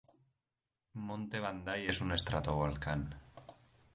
Monte Bandai es un estratovolcán.